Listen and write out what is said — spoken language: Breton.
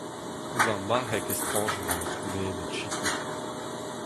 Ouzh ar Marc'heg Estrañjour em eus goulennet sikour.